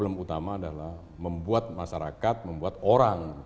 masyarakat harus membuat orang